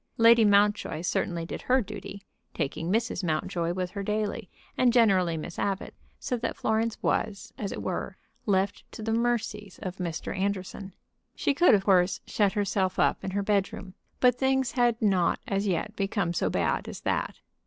Lady Mountjoy certainly did her duty, taking Mrs. Mountjoy with her daily, and generally Miss Abbott, so that Florence was, as it were, left to the mercies of Mr. Anderson. She could, of course, shut herself up in her bedroom, but things had not as yet become so bad as that.